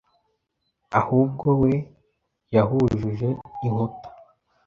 Ahubwo we yahujuje inkuta